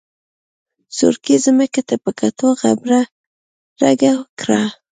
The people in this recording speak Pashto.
سورکي ځمکې ته په کتو غبرګه کړه.